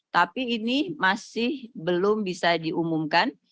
tapi ini masih belum bisa diumumkan